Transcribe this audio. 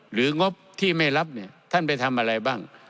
หรืองบที่ไม่รับท่านไปทำอะไรบ้าง